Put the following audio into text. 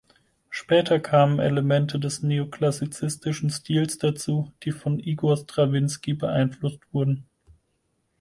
Später kamen Elemente des neoklassizistischen Stils dazu die von Igor Strawinsky beeinflusst wurden.